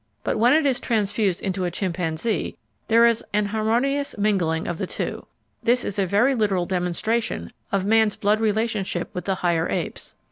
But when it is transfused into a chimpanzee there is an harmonious mingling of the two. This is a very literal demonstration of man's blood relationship with the higher apes.